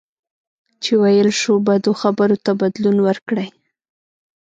چې ویل شوو بدو خبرو ته بدلون ورکړئ.